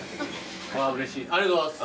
うれしいありがとうございます。